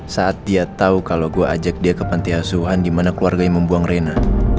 saat dia tahu kalau gue ajak dia ke panti asuhan di mana keluarga yang membuang raina